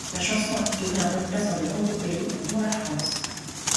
La chanson a figuré en bonne place dans de nombreux pays, dont la France.